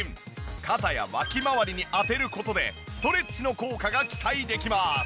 肩や脇まわりに当てる事でストレッチの効果が期待できます。